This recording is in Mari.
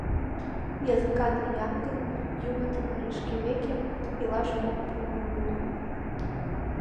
Языкан лиям гын, юмо тынарышкеве илаш ок пуйыро ыле.